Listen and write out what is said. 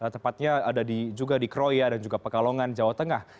tepatnya ada juga di kroya dan juga pekalongan jawa tengah